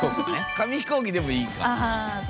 紙飛行機でもええか。